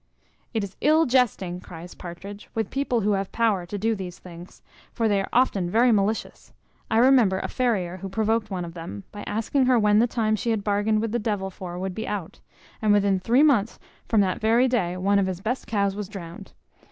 "It is ill jesting," cries Partridge, "with people who have power to do these things; for they are often very malicious. I remember a farrier, who provoked one of them, by asking her when the time she had bargained with the devil for would be out; and within three months from that very day one of his best cows was drowned.